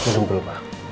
nino belum pak